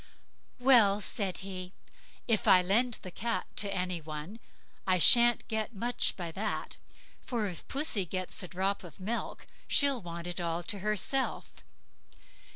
"Well!" said he, "if I lend the cat to any one I shan't get much by that; for if pussy gets a drop of milk, she'll want it all herself.